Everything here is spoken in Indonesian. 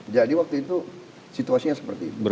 jadi waktu itu situasinya seperti itu